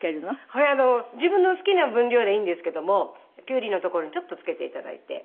これ自分の好きな分量でいいんですけどもきゅうりのところにちょっとつけていただいて。